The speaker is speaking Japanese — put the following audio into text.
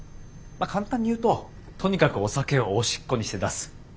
簡単に言うととにかくお酒をおしっこにして出す。